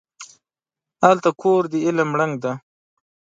هلته کور د علم ړنګ دی